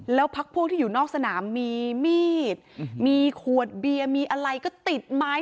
แล้วพักพวกที่อยู่นอกสนามมีมีดมีขวดเบียร์มีอะไรก็ติดไม้